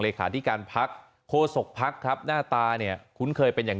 ที่การพักโคศกภักดิ์ครับหน้าตาเนี่ยคุ้นเคยเป็นอย่าง